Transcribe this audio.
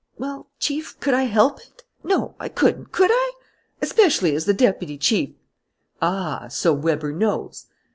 Well, Chief, could I help it? No, I couldn't, could I? Especially as the deputy chief " "Ah! So Weber knows?"